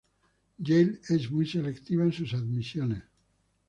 Yale es muy selectiva en sus admisiones.